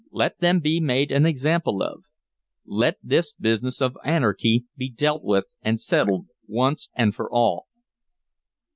Let them be made an example of! Let this business of anarchy be dealt with and settled once and for all!